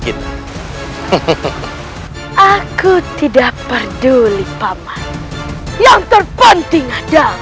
tidak ada kesempatan lagi untuk kita raden